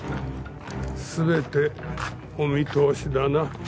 すべてお見通しだな。